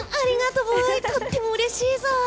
とってもうれしいぞ。